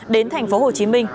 đến thành phố hồ chí minh